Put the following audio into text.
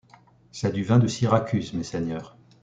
C’est du vin de Syracuse, messeigneurs !